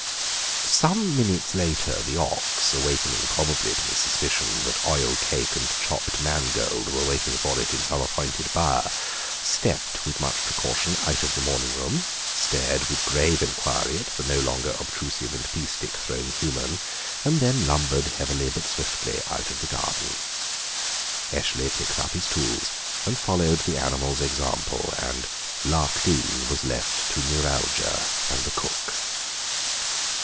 Some minutes later the ox, awakening probably to the suspicion that oil cake and chopped mangold was waiting for it in some appointed byre, stepped with much precaution out of the morning room, stared with grave inquiry at the no longer obtrusive and pea stick throwing human, and then lumbered heavily but swiftly out of the garden. Eshley packed up his tools and followed the animal's example and "Larkdene" was left to neuralgia and the cook.